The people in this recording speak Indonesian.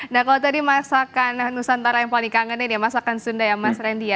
nah kalau tadi masakan nusantara yang paling dikangenin ya masakan sunda ya mas randy ya